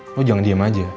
lo jangan diem aja